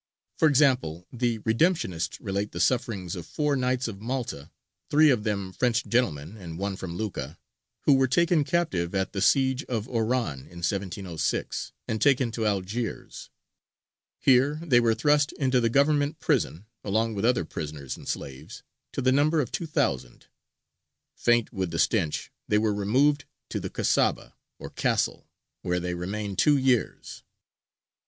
For example, the Redemptionists relate the sufferings of four Knights of Malta three of them French gentlemen, and one from Lucca who were taken captive at the siege of Oran in 1706, and taken to Algiers. Here they were thrust into the Government prison, along with other prisoners and slaves, to the number of two thousand. Faint with the stench, they were removed to the Kasaba or Castle, where they remained two years.